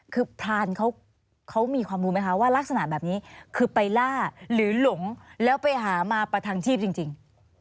คือพรานเขามีความรู้ไหมคะว่ารักษณะแบบนี้คือไปล่าหรือหลงแล้วไปหามาประทังชีพจริง